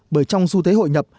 bởi trong du thế hội nhập